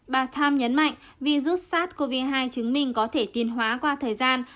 bà tham nhấn mạnh virus sars cov hai chứng minh có thể tiên hóa qua thời gian